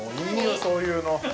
そういうの何？